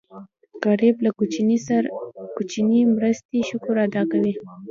غریب له کوچنۍ مرستې شکر ادا کوي